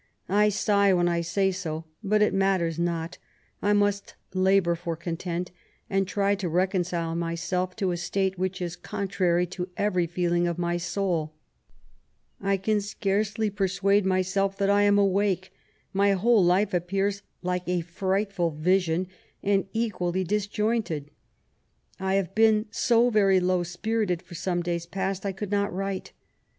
I sigh when I say so, bat it matters not, I must labour for content, and try to reconcile myself to a state which is contrary to every feeling of my sonL I can scarcely persnade myself that I am awake; my whole life appears like a frightful vision, and equally disjointed. I have been so very low spirited for some days past, I could not write.